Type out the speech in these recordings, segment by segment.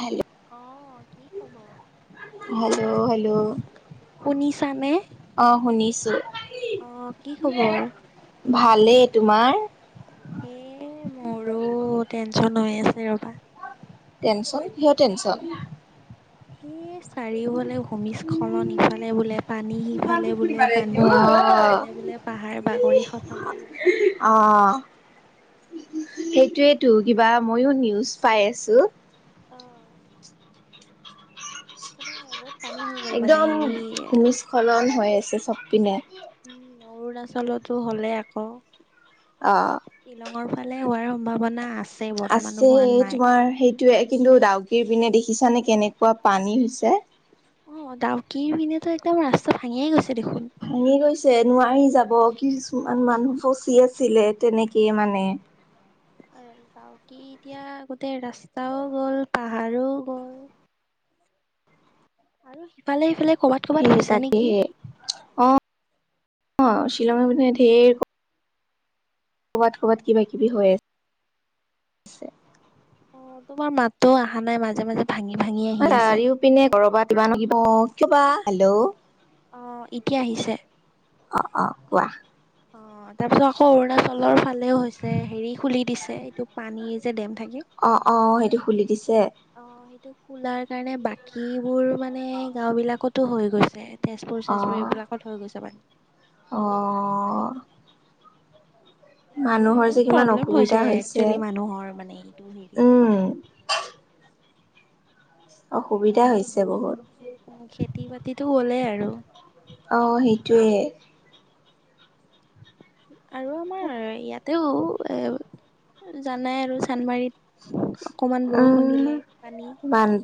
Hello. অ'কি খবৰ? Hello hello. শুনিছা নে? অ', শুনিছো। অ', কি খবৰ? ভালেই তোমাৰ? এ, মোৰো টেনচন হৈ আছে ৰ'বা। টেনচন, কিহৰ টেনচন? কি, চাৰিওফালে ভূমিস্খলন, ইফালে বোলে পানী, সিফালে বোলে পানী। অ ইফালে বোলে পাহাৰ বাগৰি খতমেই বোলে। অ', সেইটোৱেতো কিবা মইয়ো নিউজ পাই আছোঁ। অ' মানে বহুত পানী হৈ গ'ল মানে হেৰি এ হ'লেও হৈ আছে চব পিনে। উম, অৰুণাচলতো হ'লে আকৌ। অ'। শ্বিলঙৰ ফালে হোৱাৰ সম্ভাৱনা আছ আছে তোমাৰ সেইটোয়ে, কিন্তু ডাউকীৰ পিনে দেখিছানে কেনেকুৱা পানী হৈছে? অ', ডাউকীৰ পিনেতো একদম ৰাস্তা ভাঙিয়ে গৈছে দেখোন। ভাঙি গৈছে, নোৱাৰি যাব কিছুমান মানুহ ফচি আছিলে তেনেকেইে মানে। আৰু ডাউকী এতিয়া গোতেেই ৰাস্তাও গ'ল, পাহাৰো গ'ল। আৰু সিফালে সিফালে ক'বাত সেই ক'বাত হৈছে নেকি। তাকেহে অ', অ', শ্বিলঙৰ পিনে ধেৰ ক'বাত ক'বাত কিবা-কিবি হৈ আছে। অ', তোমাৰ মাতটোও অহা নাই, মাজে মাজে ভাঙি ভাঙি আহি আছে। পিনে কৰবাত [unintelligible] কিবা হেল্ল'? অ', এতিয়া আহিছে। অ'-অ', কোৱা? অ', তাৰপিছত আকৌ অৰুণাচলৰ ফালেও হৈছে। ছে, হেৰি খুলি দিছে, এইটো পানী যে ডেম থাকে। অ' সেইটো খুলি দিছে অ', সেইটো খোলাৰ কাৰণে বাকীবোৰ মানে গাঁও বিলাকতো হৈ গৈছে। তেজপুৰ-চেজপুৰ অ'। এইবিলাকত হৈ গৈছে পানী। অ'। এতিয়া মানে মানুহৰ যে বহুত কিমান প্ৰব্লেম অসুবিধা হৈছে, একচুৱেলি মানুহৰ মানে এইটো হেৰিত। উম, অসুবিধা হৈছে বহুত। উম-উম, খেতি-বাতিতো গ'লেই আৰু। অ', সেইটোৱে। আৰু আমাৰ ইয়াতেও, এ, জানাই আৰু চানমাৰীত। অকমান বৰষুণ দিলেই পানী।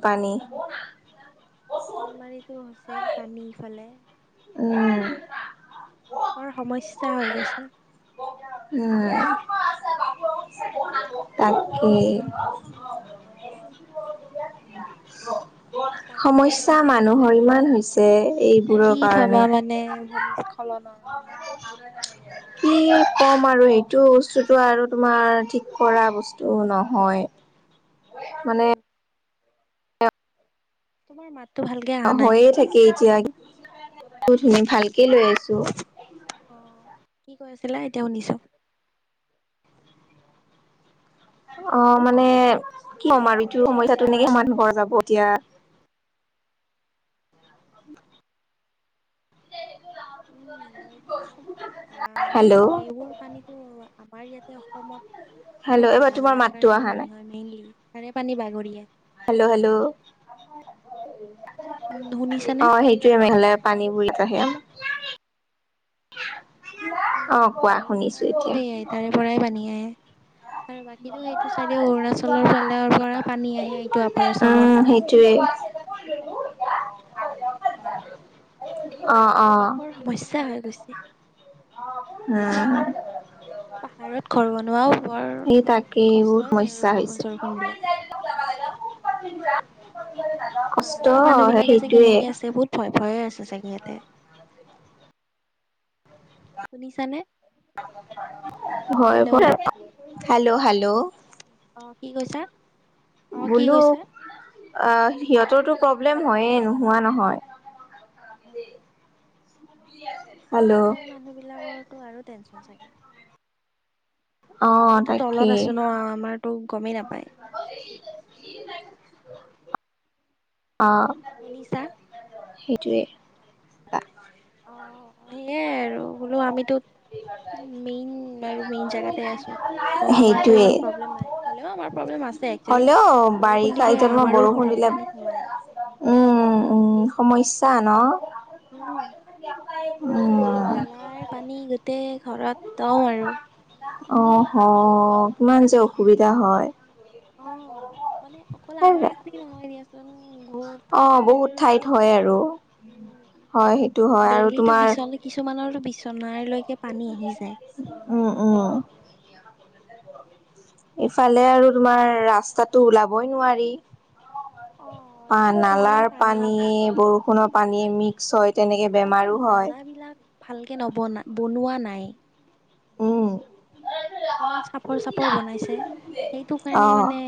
পানী। চানমাৰিটো হৈছে পানী ইফালে। উম। [unintelligible] বৰ সমস্যা হৈ গৈছে। উম। তাকেই। উম, উ বাকী, সমস্যা কি মানুহৰ ইমান এ, হৈছে এইবোৰৰ কি ভাবা কাৰণে। মানে ভূমিস্খ- খলনৰ মানে। [unintelligible] কি ক'ম আৰু, সেইটো বস্তুতোটো আৰু তোমাৰ ঠিক কৰা বস্তু নহয়। মা তোমাৰ মাতটো ভালকে অহা নাই হৈয়ে থাকে এতিয়া, [unintelligible] ভালকে লৈ আছোঁ। অ', কি কৈ আছিলা? এতিয়া শুনিছোঁ। অ', হেল্ল' মানে কি ক'ম আৰু, এইতো সমস্যাটো কেনেকে সমাধান কৰিবা এতিয়া। উম, এইটো, আ হেল্ল' এইবোৰ পানীটো আমাৰ ইয়াতে অসমত হেল্ল' [unintelligible] মাতটো আহা নাই। [unintelligible] তাৰে পানী বাগৰিয়া হেল্লো' হেল্লো' উম শুনিছানে? অ সেইটোয়ে [unintelligible] পানী বুলি [unintelligible] অ কোৱা মেইন শুনিছো কাৰণ টো এতিয়া সেয়া তাৰে পৰাই পানী আহে। আৰু বাকীটো সেইটো চাইডে অৰুণাচলৰ ফালৰ পৰা পানী আহে এইটো আপাৰ আচামত। সেইটোয়ে অ'অ' বৰ সমস্যা হৈ গৈছে। [unintelligible] পাহাৰত ঘৰ বনোৱাও বৰ এই তাকেই এইবোৰ কষ্ট হয় আৰু সমস্যা হৈছে। বৰষুণ চৰষুণ দিলে, [unintelligible] পাহাৰৰ মানুহ বিলাকে যে সেইটোয়ে কেনেকে আছে বহুত ভয় ভয়ে আছে চাগে সিহঁতে শুনিছা নে? হয়, [unintelligible] হেল্ল' হেল্ল'। অ' কি কইছা? বোলো সিহঁতৰতো প্ৰব্লেম হয়েই নোহোৱা নহয়। [unintelligible] [unintelligible] পাহাৰৰ মানুহ বিলাকৰো আৰু টেনচন চাগে। অ' আমিটো তলত তাকেই আছো ন আমাৰতো গমেই নে পাই। অ', শুনিছা? সেইটোৱে। অ' দিলে আৰু বোলো আমিতো মেইন বাৰু মেইন জেগাতে আছো অ আমাৰ সেইটোৱে। ইমান প্ৰব্লেম নাই হলেও আমাৰ প্ৰব্লেম আছে। হ'লেও [unintelligible] বৰষুণ বাৰিষা দিলে এতিয়া তোমাৰ আমাৰো বৰষুণ ঘৰত দিলে পানী সোমাই। উম, উম, সমস্যা ন? উম উম। এই নালাৰ পানী গোটেই ঘৰত দম আৰু অ' হ কিমান যে অসুবিধা হয়। অ' মানে অকল আমাৰ বুলি নহয় দিয়াচোন অ', ঠাইত বহুত হয় [unintelligible] উম, হয় সেইটো হয় আৰু তোমাৰ কিছুমানৰ টো বিচনালৈক পানী আহি যায়। উম, উম। ইফালে আৰু তোমাৰ ৰাস্তাতটো ওলাবই নোৱাৰি। অ', অ' ৰাস্তাটো কিমান নালাৰ পানী বৰষুণৰ পানী মিক্স হয় তেনেকে আচলতে বেমাৰো হয়। [unintelligible] ভালকে নবনাই বনোৱা নাই। উম, ইমান চাপৰ চাপৰ বনাইছে সেইটো অ কাৰণে মানে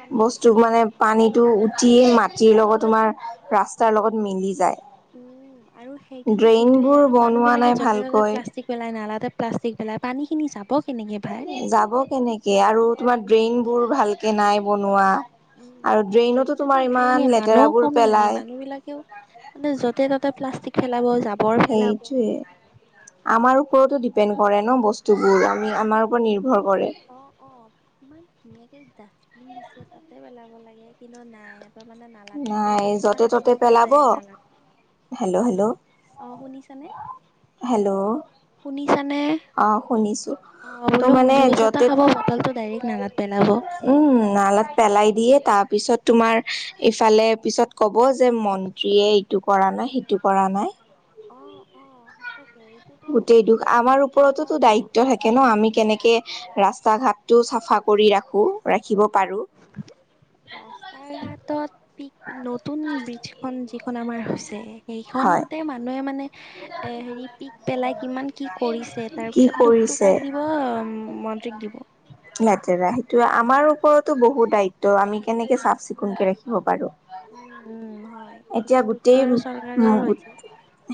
পানী নিছিলোঁ। পানীতটো উঠি মাটিৰ লগত তোমাৰ ৰাস্তাৰ লগত মিলি যায়। উম, আৰু সেইটোতো ড্ৰেইন সেইটোয়ে বোৰ আৰু মানুহ বনোৱা নাই বিলাকে য'তে ত'তে ভালকৈ প্লাষ্টিক পেলাই নালাতে প্লাষ্টিক পেলাই পানীখিনি জাবৰ কেনেকৈ ভাই। যাব কেনেকে, আৰু তোমাৰ ড্ৰেইন বোৰ ভালকে নাই বনোৱা। আৰু উম, ড্ৰেইনতো তোমাৰ ড্ৰেইনটো ইমান ড্ৰেইনে, মানুহো লেতেৰাবোৰ কম নেকি, পেলাই মানুহ বিলাকেও মানে য'তে-ত'তে প্লাষ্টিক পেলাব, জাবৰ পেলাব। সেইটোৱে আমাৰ ওপৰতো ডিপেণ্ড কৰে ন বস্তুবোৰ, আমি উম আমাৰ ওপৰত নিৰ্ভৰ কৰে। অ, অ, ইমান ধুনীয়াকে ডাষ্টবিন দিছে, তাতে পেলাব লাগে, কিন্তু নাই। [unintelligible] নালাতে, এতিয়া নাই জুচ এটা য'তে খাব ত'তে বটলটো পেলাব ডাইৰেক নালাত। হেল্ল'! হেল্ল'! অ', শুনিছানে! হেল্ল'! শুনিছানে! অ', শুনিছোঁ। অ', বোলো জুচ এটা খাব, বটল টো ডাইৰেক্ট নালাত পেলাব। উম, নালত পেলাই দিয়ে, তাৰপিছত তোমাৰ ইফালে পিছত ক'ব যে মন্ত্ৰীয়ে এইটো কৰা নাই, সিটো কৰা নাই। অ', অ'। সঁচাকে এইটোতো গোটেই দুখ, আমাৰ নহয় ওপৰটোতো ন দায়িত্ব থাকে ন, আমি কেনেকে ৰাস্তা-ঘাটটো চাফা কৰি ৰাখোঁ, ৰাখিব পাৰোঁ। ৰাস্তাৰ-ঘাটত পিক ন নতুন ব্ৰীজখন যিখন আমাৰ হৈছে, হয় সেইখনতে মানুহে মানে এ, হেৰি পিক পেলাই কিমান কি কৰিছে, তাৰ কি পিছত দুখটো কৰিছে কাক দিব, মন্ত্ৰীক দিব। লেতেৰা, সেইটো আমাৰ ওপৰতো বহুত দায়িত্ব, আমি কেনেকে চাফ-চিকুণকে ৰাখিব পাৰো। উম উম হয় এতিয়া পিছত দুখটো গোটেই, আৰু চৰকাৰৰ হৈছে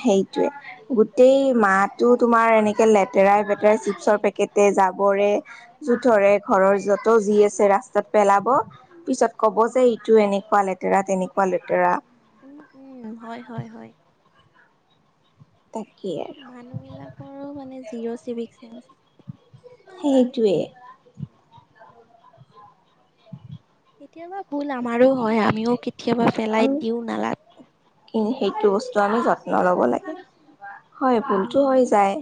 সেইটোয়েই। গোটেই মাহটো তোমাৰ এনেকে লেতেৰাই-পেতেৰাই, চিপছৰ পেকেটে, জাবৰে জোথৰে, ঘৰৰ য'ত যি আছে ৰাস্তাত পেলাব পিছত ক'ব যে ইটো এনেকুৱা লেতেৰা, তেনেকুৱা লেতেৰা। উম, হয়, হয়, হয়। তাকে। মানুহ বিলাকৰো মানে জিৰ' চিভিক চেন্স। সেইটোৱেই। কেতিয়াবা ভুল আমাৰো হয়, আমিও কেতিয়াবা পেলাই দিওঁ নালাত। উম, সেইটো বস্তু আমি যত্ন ল'ব লাগে। হয় ভুলটো উম, হৈ যায়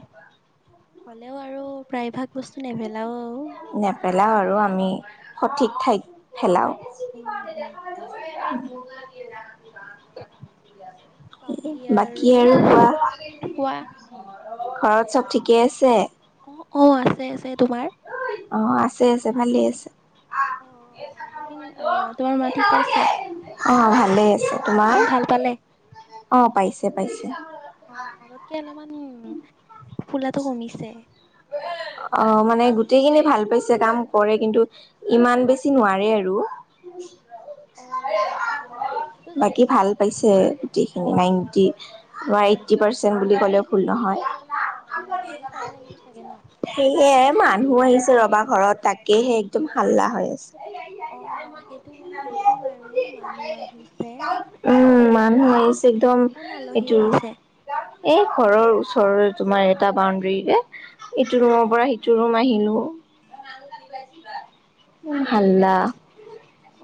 হ'লেও আৰু প্ৰায়ভাগ বস্তু নেপেলাও। নেপেলাওঁ, আৰু আমি সঠিক ঠাইত পেলাওঁ। উম, উম, হয়। [inaudible] বাকী আৰু কোৱা? কোৱা ঘৰত চ'ব ঠিকেই আছে! অ', অ', আছে, আছে। তোমাৰ? অ', আছে, আছে। ভালে আছে। অ', [unintelligible] অ', তোমাৰ মা ঠিকে আছে। অ', ভালেই আছে। তোমাৰ? হাতখন ভাল পালে। অ' পাইছে পাইছে। অ', আগতকে অলপমান ফুলাটো কমিছে। অ', মানে গোটেইখিনি ভাল পাইছে, কাম কৰে, কিন্তু ইমান বেছি নোৱাৰে আৰু। অ', মানে হাতটোতো জোৰা বাকী ভাল লাগিছে পাইছে, গোটেইখিনি অ', নাইণ্টি ধৰা এইটি পাৰ্চেণ্ট বুলি ক'লেও ভুল নহয়। অ' আৰু টাইম লাগিব চাগে ন' সেয়হে মানুহ আহিছে ৰ'বা ঘৰত তাকেহে একদম হাল্লা হৈ আছে। অ' সেইটো গম পাইছো বাৰু মানুহ আহিছে। উম, মানুহ আহিছে একদম কোন আলহী এইটো আহিছে? এই ঘৰৰ ওচৰৰে তোমাৰ এটা বাউণ্ডৰীৰে। ইটো অ', ৰুমৰ অ', পৰা সিটো ৰুম আহিলো অ'। হাল্লা।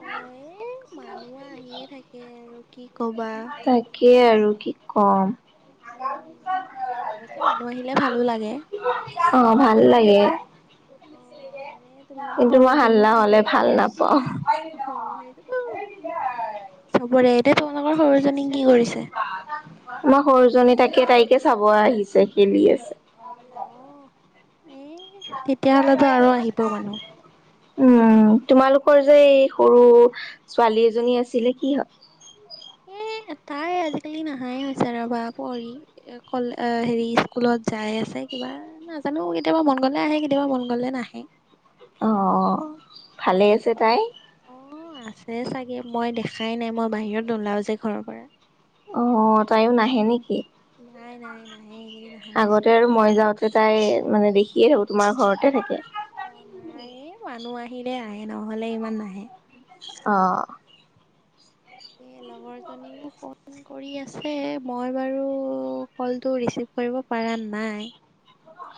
অ' এই মানুহ আহিয়ে থাকে আৰু। কি কবা। তাকে আৰু কি ক'ম অৱশ্যে মানুহ আহিলে ভালো লাগে। অঁ ভাল লাগে। অ এনে তোমালোকৰ কিন্তু মই সৰুজনী হাল্লা কি হলে কৰিছে? ভাল নাপাওঁ। অ সেইটোতো চবৰে এতিয়া তোমালোকৰ সৰু। মই সৰু জনী তাকে তাইকে চাব আহিছে খেলি আছে। অ এ তেতিয়াহ'লেতো আৰু আহিব মানুহ। উম তোমালোকৰ যে এই সৰু ছোৱালী এজনী আছিলে কি হয়। এ তাই আজিকালি নাহাই হৈছে ৰবা পঢ়ি। এ কল হেৰি স্কুলত যাই আছে কিবা। নাজানো কেতিয়াবা মন গ'লে আহে কেতিয়াবা মন গ'লে নাহে। অঁ ভালে আছে তাই। অ আছে চাগে মই দেখাই নাই মই বাহিৰত নোলাও যে ঘৰৰ পৰা। অ তাইও নাহে নেকি। নাই নাই নাই। আগতে আৰু মই যাওঁতে তাই মানে দেখিয়ে থাকো তোমাৰ ঘৰতে থাকে। অঁ নাই এ মানুহ আহিলে আহে নহ'লে ইমান নাহে। অঁ। এই লগৰজনীও গ'ল। কৰি আছে মই বাৰু কলটো ৰিচিভ কৰিব পাৰা নাই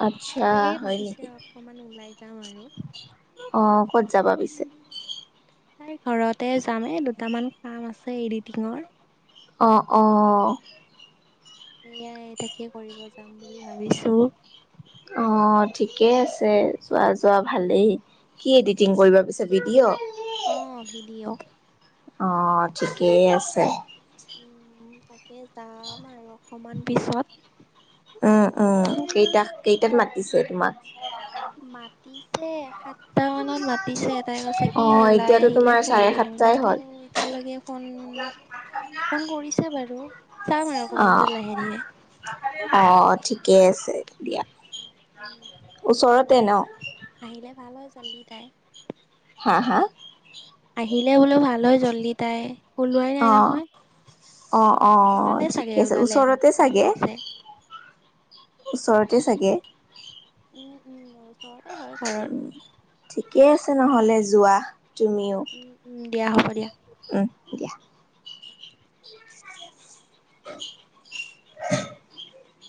আচ্ছা সেয়ে হয় মাতিছে নেকি। অকমান ওলাই যাম আৰু অ ক'ত যাবা পিছে। তাইৰ ঘৰতে যাম এই দুটামান কাম আছে এডিটিঙৰ। অঁ অঁ। সেয়াই এ তাকে কৰিব যাম বুলি ভাবিছোঁ। অঁ ঠিকে আছে যোৱা যোৱা ভালেই। কি এডিটিং কৰিবা পিছে ভিডিঅ'। অ ভিডিঅ'। অঁ ঠিকেই আছে। উম তাকে যাম আৰু অকমান পিছত। উম উম কেইটা কেইটাত মাতিছে তোমাক। মাতিছে সাত। টা মানত মাতিছে তাই কৈছে কি অ ওলাই এতিয়াতো আহিলে তোমাৰ ফোন চাৰে কৰিম সাতটাই কিন্তু হ'ল এতিয়ালৈকে। ফোন ফোন কৰিছে বাৰু যাম আৰু অকণমান পিছত লাহে ধীৰে। অঁ ঠিকে আছে দিয়া সেইটো ওচৰতে ন। আহিলে ভাল হয় জল্দি তাই। হা হা। আহিলে বোলো ভাল হয় জল্দি তাই, ওলোৱাই নাই অ নহয়। অ', ওলালে অ' চাগে ঠিকে আছে, ওলালে মোক ওচৰতে ফোন চাগে। কৰিছে ওচৰতে চাগে। উম, উম, ওচৰতে হয় ঘৰৰ। ঠিকেই আছে নহ'লে যোৱা তুমিও। উম, উম, দিয়া হ'ব দিয়া। উম, দিয়া। [inaudible]